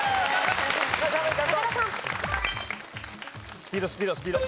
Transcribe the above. スピードスピードスピード。